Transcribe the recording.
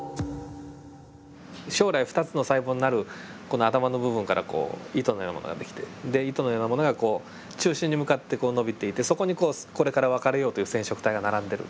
将来２つの細胞になるこの頭の部分からこう糸のようなものができてで糸のようなものがこう中心に向かってこう伸びていてそこにこれから分かれようという染色体が並んでる。